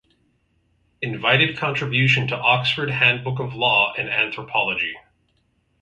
Invited contribution to Oxford Handbook of Law and Anthropology.